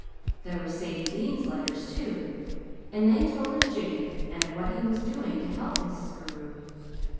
There were Sadie Dean's letters, too, and they told of Jimmy, and of what he was doing to help Mrs. Carew.